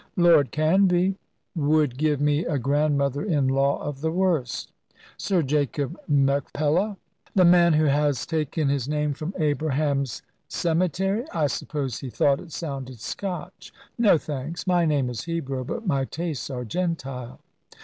"Lord Canvey!" "Would give me a grandmother in law of the worst." "Sir Jacob Machpelah!" "The man who has taken his name from Abraham's cemetery? I suppose he thought it sounded Scotch. No, thanks. My name is Hebrew, but my tastes are Gentile."